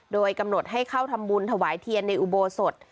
โดยกำหนดให้เข้าทำบุญถวายเทียนในอุโบสถ